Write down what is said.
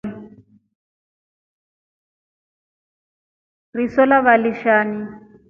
Riso lava lishani.